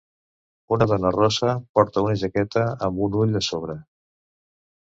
Una dona rossa porta una jaqueta amb un ull a sobre.